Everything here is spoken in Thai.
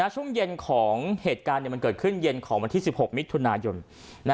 ช่วงเย็นของเหตุการณ์มันเกิดขึ้นเย็นของวันที่๑๖มิถุนายน